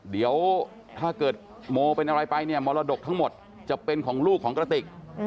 เดี๋ยวถ้าเกิดโมเป็นอะไรไปเนี่ยมรดกทั้งหมดจะเป็นของลูกของกระติก